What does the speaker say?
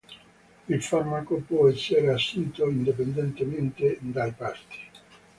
Il farmaco può essere assunto indipendentemente dai pasti.